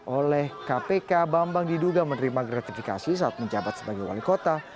oleh kpk bambang diduga menerima gratifikasi saat menjabat sebagai wali kota